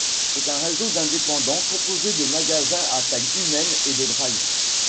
C’est un réseau d’indépendants, composé de magasins à taille humaine et de Drive.